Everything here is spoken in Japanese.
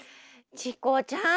チコちゃん！